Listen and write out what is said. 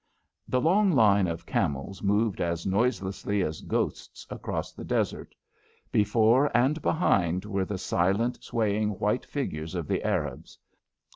The long line of camels moved as noiselessly as ghosts across the desert. Before and behind were the silent swaying white figures of the Arabs.